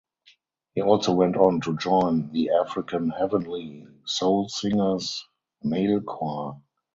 He also went on to join the African Heavenly Soul Singers male choir.